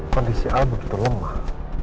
kondisi al begitu lemah